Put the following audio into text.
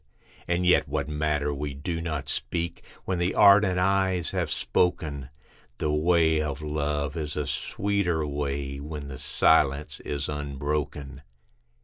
And yet what matter we do not speak, when the ardent eyes have spoken, The way of love is a sweeter way, when the silence is unbroken.